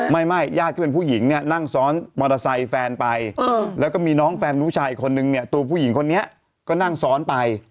ไม่ญาติที่เป็นผู้หญิงเนี่ยนั่งซ้อนมอเตอร์ไซค์แฟนไปแล้วก็มีน้องแฟนผู้ชายอีกคนนึงเนี่ยตัวผู้หญิงคนนี้ก็นั่งซ้อนไป